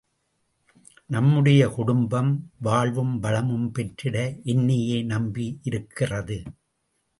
நம்முடைய குடும்பம், வாழ்வும் வளமும் பெற்றிட என்னையே நம்பி இருக்கிறது.